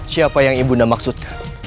siapa yang ibu nak maksudkan